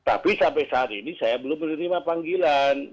tapi sampai saat ini saya belum menerima panggilan